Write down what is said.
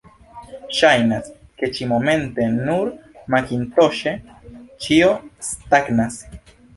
Ŝajnas, ke ĉi-momente nur makintoŝe ĉio stagnas.